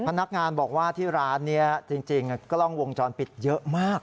พนักงานบอกว่าที่ร้านนี้จริงกล้องวงจรปิดเยอะมาก